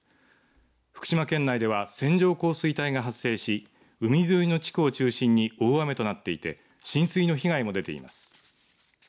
福島県内では線状降水帯が発生し海沿いの地区を中心に大雨となっていて浸水の被害も出ています。